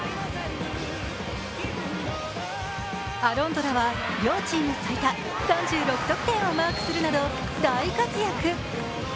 アロンドラは両チーム最多３６得点をマークするなど大活躍。